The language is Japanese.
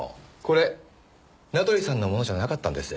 これ名取さんのものじゃなかったんです。